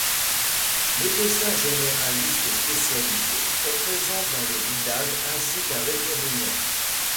Médecins généralistes et spécialisés sont présents dans le village ainsi qu'un vétérinaire.